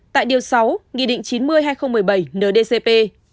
tại điều sáu nghị định chín mươi hai nghìn một mươi bảy ndcp